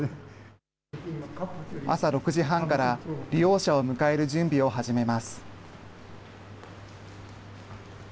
朝６時半から利用者を迎える準備を始めます。